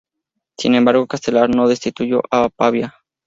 Sin embargo Castelar no destituyó a Pavía.